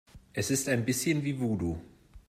Es ist ein bisschen wie Voodoo.